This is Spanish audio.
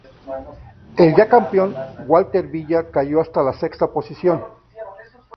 El ya campeón, Walter Villa cayó hasta la sexta posición.